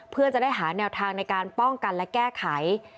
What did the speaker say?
เพื่อจะได้หาแนวทางในการป้องกันและแก้ไข